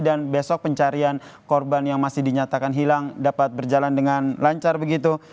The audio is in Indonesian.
dan besok pencarian korban yang masih dinyatakan hilang dapat berjalan dengan lancar begitu